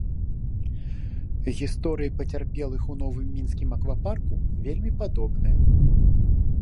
Гісторыі пацярпелых у новым мінскім аквапарку вельмі падобныя.